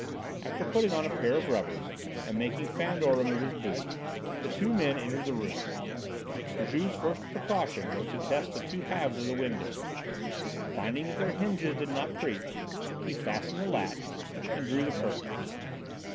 After putting on a pair of rubbers and making Fandor remove his boots, the two men entered the room. Juve's first precaution was to test the two halves of the window. Finding that their hinges did not creak, he fastened the latch and drew the curtains.